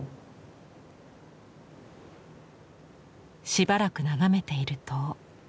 しばらく眺めていると。